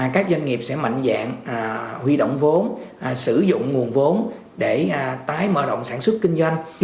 các doanh nghiệp sẽ mạnh dạng huy động vốn sử dụng nguồn vốn để tái mở rộng sản xuất kinh doanh